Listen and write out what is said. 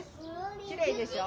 きれいでしょう？